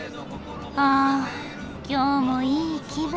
あ今日もいい気分。